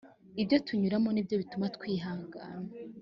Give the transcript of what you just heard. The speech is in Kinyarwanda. ibyo tunyuramo ni byo bituma twihangana